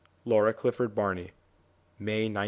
1 LAURA CLIFFORD BARNEY. May 1907.